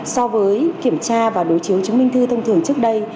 so với kiểm tra và đối chiếu chứng minh thư thông thường trước đây